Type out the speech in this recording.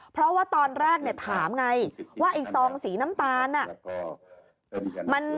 เพราะว่าตอนแรกถามไงว่าไอ้ซองสีน้ำตาลน่ะ